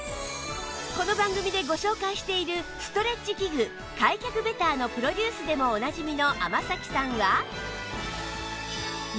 この番組でご紹介しているストレッチ器具開脚ベターのプロデュースでもおなじみの天咲さんは